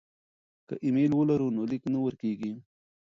که ایمیل ولرو نو لیک نه ورکيږي.